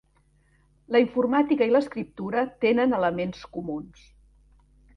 La informàtica i l'escriptura tenen elements comuns.